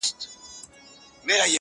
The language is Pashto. تا ویل د بنده ګانو نګهبان یم!.